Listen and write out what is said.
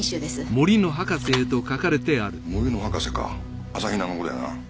森の博士か朝比奈のことやな。